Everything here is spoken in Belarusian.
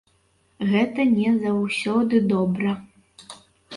Гэта не заўсёды добра.